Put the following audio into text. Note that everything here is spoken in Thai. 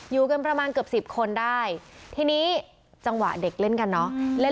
อยู่กันประมาณเกือบสิบคนได้ทีนี้จังหวะเด็กเล่นกันเนอะ